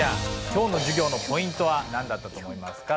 今日の授業のポイントは何だったと思いますか？